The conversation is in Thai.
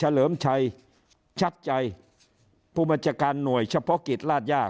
และเหลือมชัยชัดใจผู้บัจจากการหน่วยเฉพาะกิจราชยา